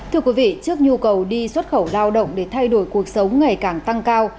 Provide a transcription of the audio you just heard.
thưa quý vị trước nhu cầu đi xuất khẩu lao động để thay đổi cuộc sống ngày càng tăng cao